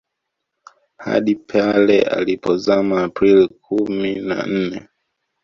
Hadi pale ilipozama Aprili kumi na nne